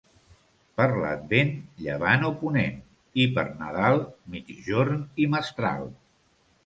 Per l'Advent, llevant o ponent, i per Nadal, migjorn i mestral.